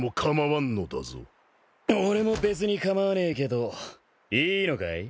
俺も別に構わねえけどいいのかい？